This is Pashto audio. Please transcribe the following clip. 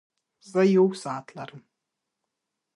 زۀ يو ساعت لرم.